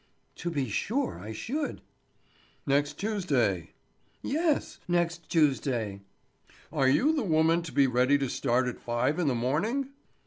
"To be sure I should." "Next Tuesday?" "Yes, next Tuesday." "Are you the woman to be ready to start at five in the morning?"